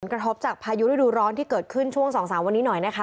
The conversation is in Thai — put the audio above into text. กระทบจากพายุฤดูร้อนที่เกิดขึ้นช่วง๒๓วันนี้หน่อยนะคะ